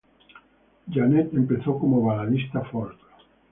Jeanette empezó como baladista folk.